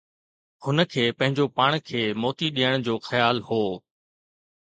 هن کي پنهنجو پاڻ کي موتي ڏيڻ جو خيال هو